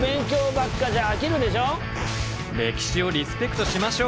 歴史をリスペクトしましょう！